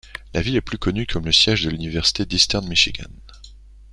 La ville est plus connue comme le siège de l'université d'Eastern Michigan.